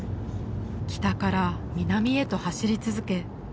北から南へと走り続け